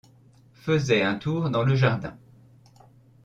faisait un tour dans le jardin.